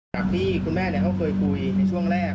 จากที่คุณแม่เขาเคยคุยในช่วงแรก